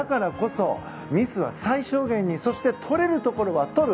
ミスは最小限にそしてとれるところはとる。